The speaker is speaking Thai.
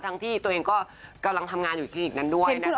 ที่ตัวเองก็กำลังทำงานอยู่คลินิกนั้นด้วยนะคะ